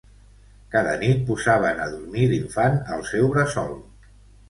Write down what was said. Cada nit posaven a dormir l'infant al seu bressol.